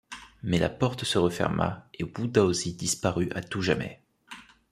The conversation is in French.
Mais la porte se referma et Wu Daozi disparut à tout jamais.